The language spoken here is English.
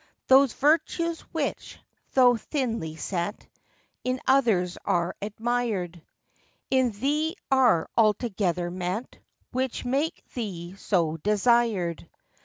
Those virtues which, though thinly set, In others are admired, In thee are altogether met, Which make thee so desired.